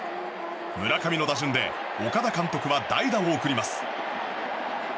村上の打順で岡田監督は代打を送ります。